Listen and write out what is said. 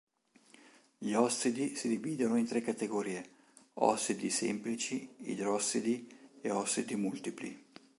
Gli ossidi si dividono in tre categorie: ossidi semplici, idrossidi e ossidi multipli.